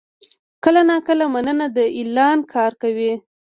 کله ناکله «مننه» د اعلان کار کوي.